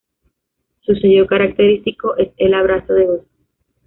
Su sello característico es el abrazo de oso.